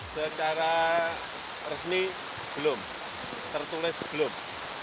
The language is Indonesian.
secara resmi belum tertulis belum